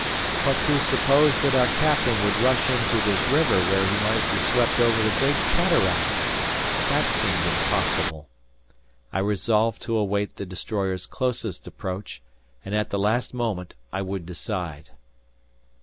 But to suppose that our captain would rush into this river where he might be swept over the great cataract! That seemed impossible! I resolved to await the destroyers' closest approach and at the last moment I would decide.